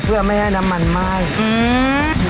เพื่อไม่ให้น้ำมันไหม้อืม